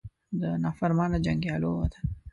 د نافرمانه جنګیالو وطنه